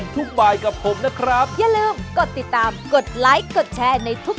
น่ารัก